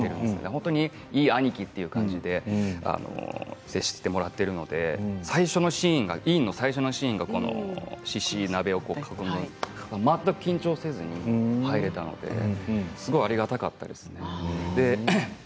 本当にいい兄貴という感じで接してもらっているのでインの最初のシーンはこのしし鍋を食べるところ全く緊張せずに入れたのでありがたかったです。